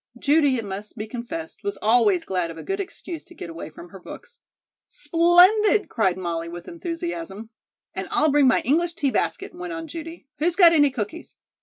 Judy, it must be confessed, was always glad of a good excuse to get away from her books. "Splendid!" cried Molly with enthusiasm. "And I'll bring my English tea basket," went on Judy. "Who's got any cookies?"